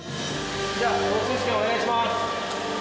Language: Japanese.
じゃあ放水試験お願いします！